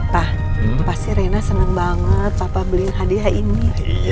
pak pasti reyna senang banget papa beliin hadiah ini